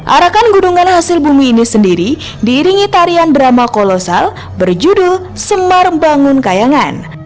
arakan gunungan hasil bumi ini sendiri diiringi tarian drama kolosal berjudul semar bangun kayangan